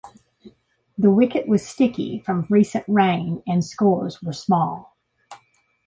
The wicket was sticky, from recent rain, and scores were small.